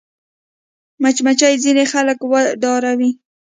مچمچۍ ځینې خلک وډاروي